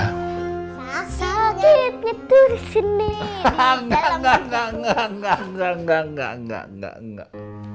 hahaha enggak enggak enggak enggak enggak enggak enggak enggak enggak enggak